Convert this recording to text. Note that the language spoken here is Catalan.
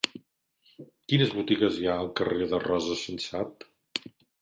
Quines botigues hi ha al carrer de Rosa Sensat?